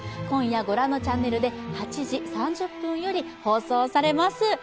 今夜、御覧のチャンネルで８時３０分より放送されます。